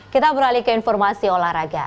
kita beralih ke informasi olahraga